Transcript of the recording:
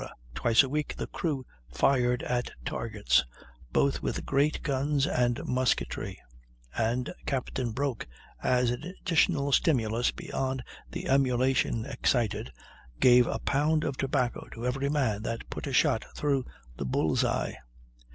Twice a week the crew fired at targets, both with great guns and musketry; and Captain Broke, as an additional stimulus beyond the emulation excited, gave a pound of tobacco to every man that put a shot through the bull's eye."